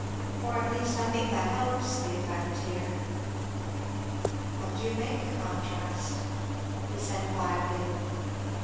or at least I think that helps the effect here." "What do you make the contrast?" he said quietly.